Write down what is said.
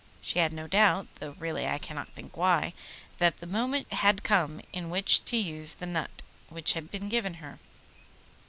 She had no doubt (though really I cannot think why) that the moment had come in which to use the nut which had been given her.